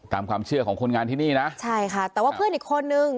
ตามความเชื่อของคนงานที่นี่นะใช่ค่ะแต่ว่าเพื่อนอีกคนนึง